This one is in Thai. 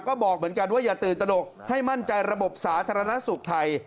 ก็บอกเหมือนกันว่าอย่าตื่นตนกให้มั่นใจระบบสาธารณสุขไทย